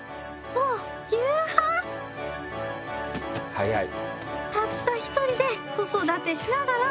早い。